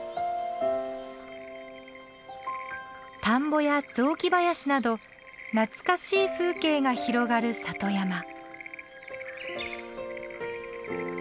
田んぼや雑木林など懐かしい風景が広がる里山。